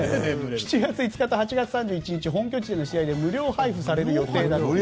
７月５日と８月３１日本拠地での試合で無料配布される予定だと。